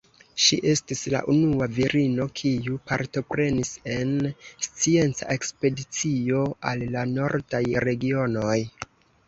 Ŝi estis la unua virino kiu partoprenis en scienca ekspedicio al la nordaj regionoj.